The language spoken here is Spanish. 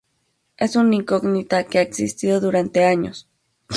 Es una incógnita que ha existido durante años.